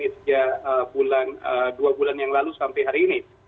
sejak dua bulan yang lalu sampai hari ini